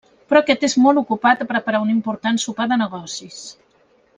Però aquest és molt ocupat a preparar un important sopar de negocis.